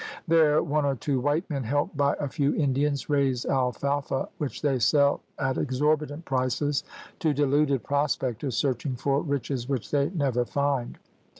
There one or two white men, helped by a few Indians, raise alfalfa, which they sell at exor bitant prices to deluded prospectors searching for riches which they never find.